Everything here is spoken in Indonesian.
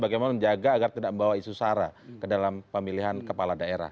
bagaimana menjaga agar tidak membawa isu sara ke dalam pemilihan kepala daerah